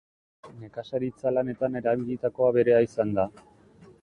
Nekazaritza lanetan erabilitako aberea izan da.